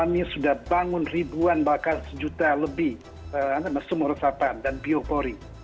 kami sudah bangun ribuan bahkan sejuta lebih sumur resapan dan biopori